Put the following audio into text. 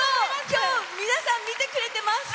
今日、皆さん見てくれてます！